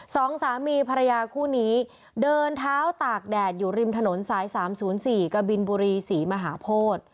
สองสามีภรรยาคู่นี้เดินเท้าตากแดดอยู่ริมถนนสาย๓๐๔กบินบุรีศรีมหาโพธิ